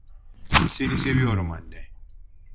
Seni seviyorum anne.